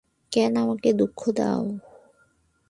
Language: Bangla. কেন আমাকে দুঃখ দাও।